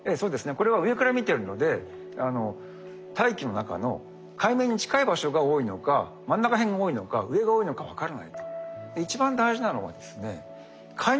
これは上から見てるので大気の中の海面に近い場所が多いのか真ん中辺が多いのか上が多いのか分からないと。